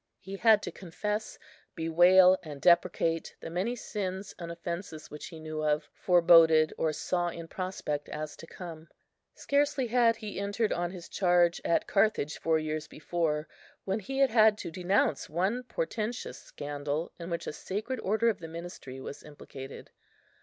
He had to confess, bewail and deprecate the many sins and offences which he knew of, foreboded, or saw in prospect as to come. Scarcely had he entered on his charge at Carthage four years before, when he had had to denounce one portentous scandal in which a sacred order of the ministry was implicated.